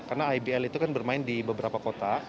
karena ibl itu kan bermain di beberapa kota